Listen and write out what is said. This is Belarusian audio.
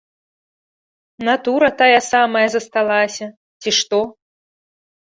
Натура тая самая засталася, ці што.